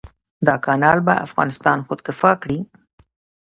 دا کانال به افغانستان خودکفا کړي.